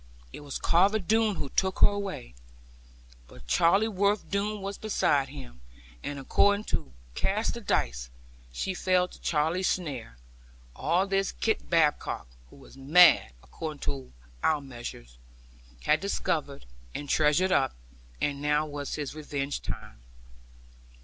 It was Carver Doone who took her away, but Charleworth Doone was beside him; and, according to cast of dice, she fell to Charley's share. All this Kit Badcock (who was mad, according to our measures) had discovered, and treasured up; and now was his revenge time.